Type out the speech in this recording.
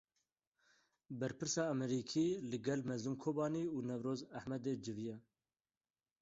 Berpirsa Amerîkî li gel Mezlûm Kobanî û Newroz Ehmedê civiya.